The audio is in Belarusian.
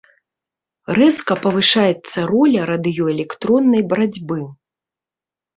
Рэзка павышаецца роля радыёэлектроннай барацьбы.